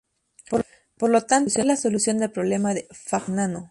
Por lo tanto, es la solución del problema de Fagnano.